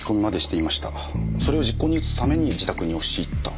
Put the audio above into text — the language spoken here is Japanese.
それを実行に移すために自宅に押し入った。